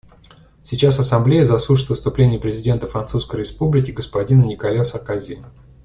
Сейчас Ассамблея заслушает выступление президента Французской Республики господина Николя Саркози.